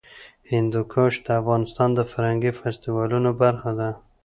هندوکش د افغانستان د فرهنګي فستیوالونو برخه ده.